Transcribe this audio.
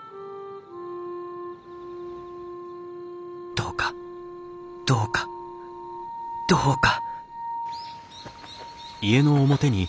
どうかどうかどうか！